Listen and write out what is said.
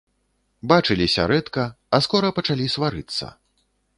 Бачыліся рэдка, а скора пачалі сварыцца.